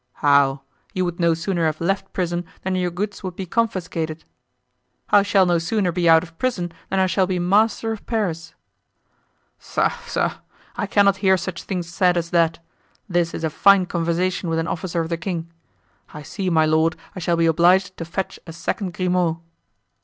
"How? you would no sooner have left prison than your goods would be confiscated." "I shall no sooner be out of prison than I shall be master of Paris." "Pshaw! pshaw! I cannot hear such things said as that; this is a fine conversation with an officer of the king! I see, my lord, I shall be obliged to fetch a second Grimaud!"